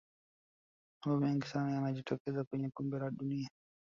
mambo mengi sana yanajitokeza kwenye kombe la dunia